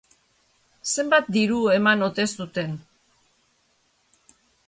Zenbat diru eman ote zuten?